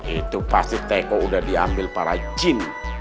itu pasti teko udah diambil para jin